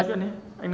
anh nam hỏi đi